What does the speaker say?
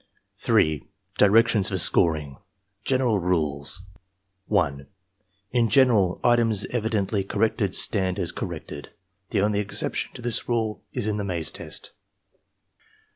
3. DIRECTIONS FOR SCORING General Rules 1. In general, items evidently corrected stand as corrected. The only exception to this rule is in the maze test.